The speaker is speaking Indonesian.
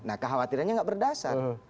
nah kekhawatirannya nggak berdasar